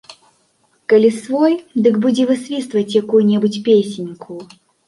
Калі свой, дык будзе высвістваць якую-небудзь песеньку.